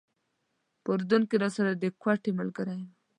په اردن کې راسره د کوټې ملګری و.